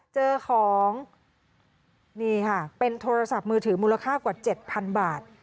เจอของนี่ค่ะเป็นโทรศัพท์มือถือมูลค่ากว่า๗๐๐บาท